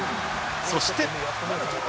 そして。